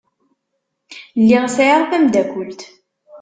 Lliɣ sɛiɣ tamdakelt.